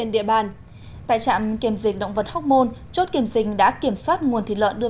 địa bàn tại trạm kiểm dịch động vật hocmon chốt kiểm dịch đã kiểm soát nguồn thịt lợn đưa